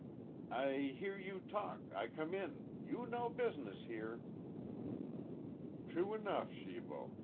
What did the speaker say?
"I hear you talk. I come in. You no business here." "True enough, Shibo.